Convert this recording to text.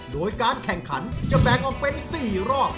โดยการแข่งขันจะแบ่งออกเป็น๔รอบ